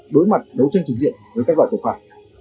đối mặt đấu tranh trình diện với các loại tội phạm